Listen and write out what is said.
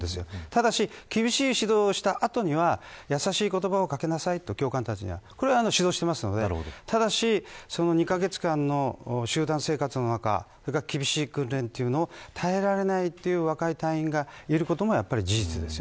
ただし、厳しい指導をした後にはやさしい言葉をかけなさいと教官たちには指導していますのでただし２カ月間の集団生活の中厳しい訓練というのを耐えられないという若い隊員がいることもやはり事実です。